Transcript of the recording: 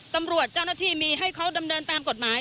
ตำรวจเจ้าหน้าที่มีให้เขาดำเดินแปรงกฎหมาย